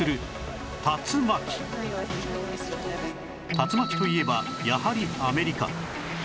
竜巻といえばやはりアメリカ